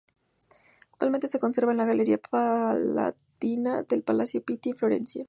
Actualmente se conserva en la Galería Palatina del Palacio Pitti, en Florencia.